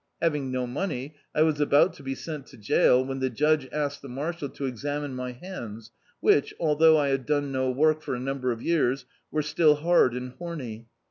Having no money, I was about to be sent to jail when the judge asked the marshal to examine my hands which, althou^ I had done no work for a number of years, were still hard and homy.